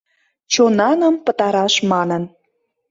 Чонаным пытараш манын.